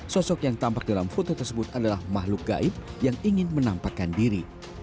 sosok yang tampak dalam foto tersebut adalah makhluk gaib yang ingin menampakkan diri